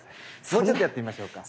もうちょっとやってみましょうか。